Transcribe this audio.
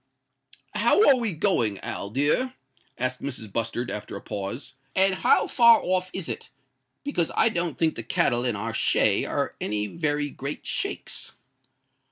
"How are we going, Al dear?" asked Mrs. Bustard, after a pause; "and how far off is it? because I don't think the cattle in our shay are any very great shakes."